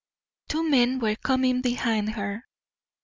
Two men were coming behind her.